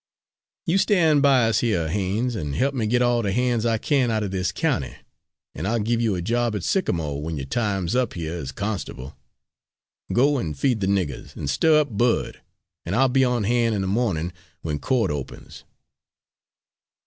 You stand by us here, Haines, an' help me git all the han's I can out o' this county, and I'll give you a job at Sycamo' when yo'r time's up here as constable. Go on and feed the niggers, an' stir up Bud, and I'll be on hand in the mornin' when court opens."